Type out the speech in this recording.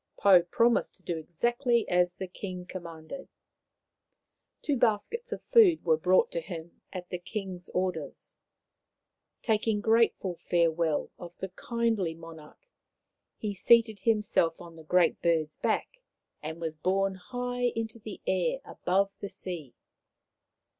Pou promised to do exactly as the king com manded. Two baskets of food were brought to him at the king's orders. Taking grateful fare well of the kindly monarch, he seated himself on the Great Bird's back and was borne high into the air above the sea.